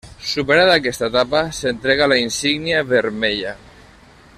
Superada aquesta etapa s'entrega la insígnia vermella.